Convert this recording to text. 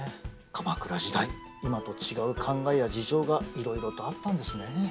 鎌倉時代今と違う考えや事情がいろいろとあったんですねえ。